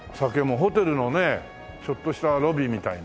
ホテルのねちょっとしたロビーみたいな。